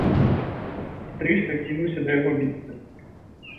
Пстрычка кінуўся да яго біцца.